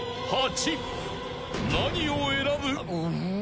［何を選ぶ？］